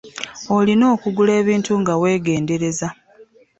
Olina okugula ebintu nga wegendereza.